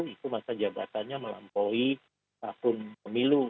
itu masa jabatannya melampaui tahun pemilu